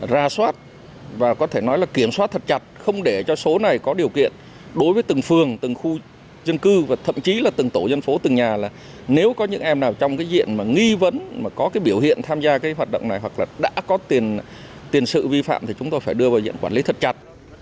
ra soát và có thể nói là kiểm soát thật chặt không để cho số này có điều kiện đối với từng phường từng khu dân cư và thậm chí là từng tổ dân phố từng nhà là nếu có những em nào trong cái diện mà nghi vấn mà có cái biểu hiện tham gia cái hoạt động này hoặc là đã có tiền tiền sự vi phạm thì chúng tôi phải đưa vào diện quản lý thật chặt